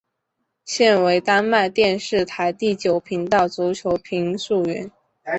现为丹麦电视台第九频道足球评述员。